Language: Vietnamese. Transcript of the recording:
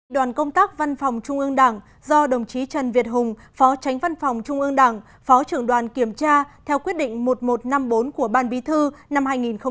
đoàn công tác văn phòng trung ương đảng do đồng chí trần việt hùng phó tránh văn phòng trung ương đảng phó trưởng đoàn kiểm tra theo quyết định một nghìn một trăm năm mươi bốn của ban bí thư năm hai nghìn một mươi chín